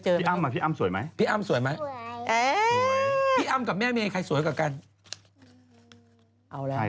เดี๋ยวกลับมาช่วงหน้าอ่ะ